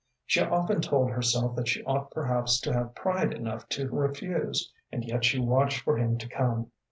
She often told herself that she ought perhaps to have pride enough to refuse, and yet she watched for him to come.